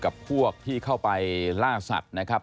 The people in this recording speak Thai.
กับพวกที่เข้าไปล่าสัตว์นะครับ